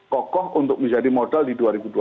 kokoh untuk menjadi modal di dua ribu dua puluh